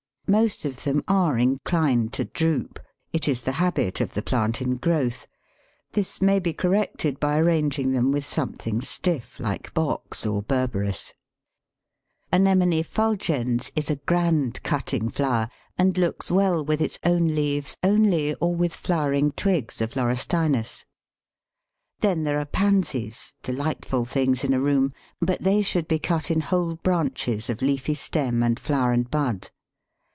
Most of them are inclined to droop; it is the habit of the plant in growth; this may be corrected by arranging them with something stiff like Box or Berberis. Anemone fulgens is a grand cutting flower, and looks well with its own leaves only or with flowering twigs of Laurustinus. Then there are Pansies, delightful things in a room, but they should be cut in whole branches of leafy stem and flower and bud.